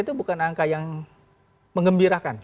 itu bukan angka yang mengembirakan